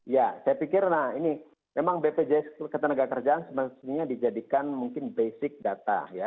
ya saya pikir nah ini memang bpjs ketenagakerjaan sebenarnya dijadikan mungkin basic data ya